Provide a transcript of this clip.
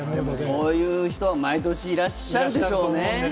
そういう人は毎年いらっしゃるでしょうね。